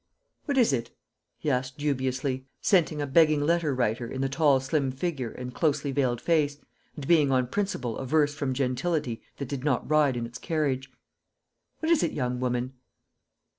"What is it?" he asked dubiously, scenting a begging letter writer in the tall slim figure and closely veiled face, and being on principle averse from gentility that did not ride in its carriage. "What is it, young woman?"